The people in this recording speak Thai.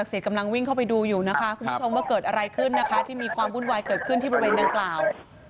เสียกำลังวิ่งเข้าไปดูอยู่นะคะคุณผู้ชมว่าเกิดอะไรขึ้นนะคะที่มีความวุ่นวายเกิดขึ้นที่บริเวณดังกล่าว